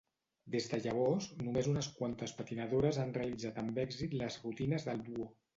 Des de llavors, només uns quantes patinadores han realitzat amb èxit les rutines del duo.